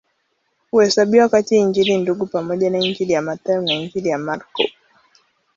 Huhesabiwa kati ya Injili Ndugu pamoja na Injili ya Mathayo na Injili ya Marko.